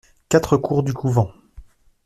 quatre cour du Couvent